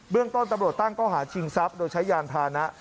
เรื่องต้นตำรวจตั้งก้อหาชิงทรัพย์โดยใช้ยานพานะ